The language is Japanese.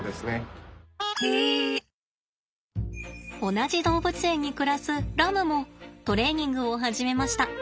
同じ動物園に暮らすラムもトレーニングを始めました。